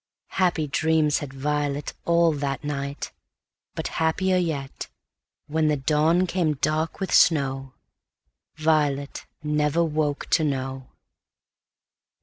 Happy dreams had violetAll that night—but happier yet, When the dawn came dark with snow, Violet never woke to know.